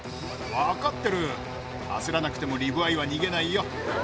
分かってる、焦らなくてもリブアイは逃げないよ。